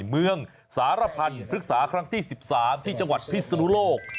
เมืองสารพันธ์พฤกษาครั้งที่๑๓ที่จังหวัดพิศนุโลก